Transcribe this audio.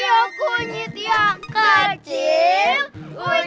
bakar ayam bakar dong